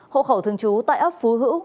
hộ khẩu thường trú tại ấp phú hữu